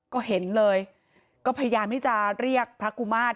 ก็เห็นเลยก็พยายามที่จะเรียกพระกุมาตร